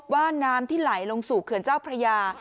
ว่าน้ำที่ไหลลงสู่เขื่อนเจ้าพระยา